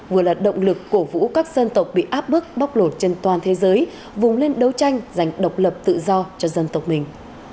vừa là động lực cổ vũ các dân tộc bị áp bức bóc lột trên toàn thế giới vùng lên đấu tranh giành độc lập tự do cho dân tộc mình